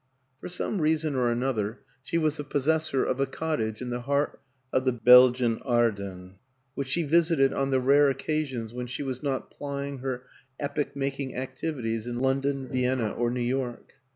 For some reason or another she was the possessor of a cottage in the heart of the Belgian Ardennes which she visited on the rare occasions when she was not plying her epoch making activities in London, Vienna, or New York.